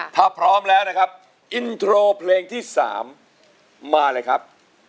ถ้าพร้อมแล้วนะครับอินโทรเพลงที่๓มาเลยครับ